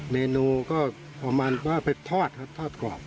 เมนูก็ประมาณว่าไปทอดครับทอดกรอบ